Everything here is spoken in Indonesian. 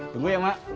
tunggu ya mak